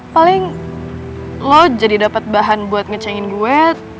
paling lo jadi dapet bahan buat ngecengin gue